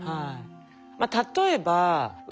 例えばへ。